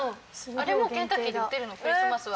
あれもケンタッキーで売ってるのクリスマスは。